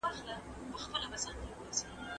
هغه کس چي هيله ولري ژوند کوي.